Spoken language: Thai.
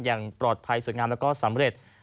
อย่างปลอดภัยสวยงามแล้วก็สำเร็จ